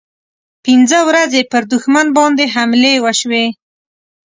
پنځه ورځې پر دښمن باندې حملې وشوې.